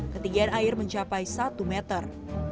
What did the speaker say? ketinggian air mencapai satu meter